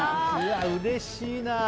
うれしいな。